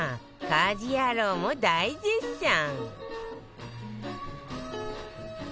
家事ヤロウも大絶賛